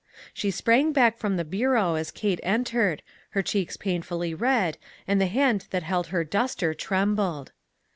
She sprang back from the bureau as Kate entered, her cheeks painfully red, and the hand that held her duster trembled.